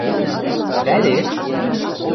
Пӓлет?!